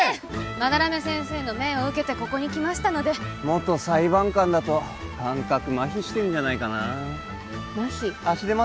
斑目先生の命を受けてここに来ましたので元裁判官だと感覚麻痺してんじゃないかな麻痺？